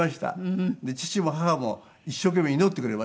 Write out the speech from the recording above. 父も母も一生懸命祈ってくれました。